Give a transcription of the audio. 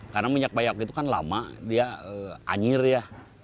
karena minyak biawak itu kan lama dia anjir ya